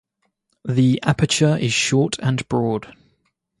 The aperture is short and broad.